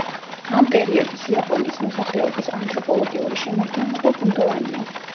ამ პერიოდის იაპონიის მოსახლეობის ანთროპოლოგიური შემადგენლობა ბუნდოვანია.